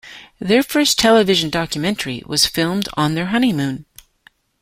Their first television documentary was filmed on their honeymoon.